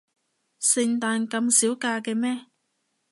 聖誕咁少假嘅咩？